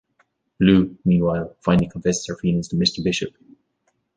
Bleu, meanwhile, finally confesses her feelings to Mr. Bishop.